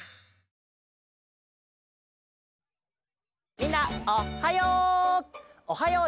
みんなおっはよう！